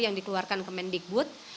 yang dikeluarkan ke mendikbud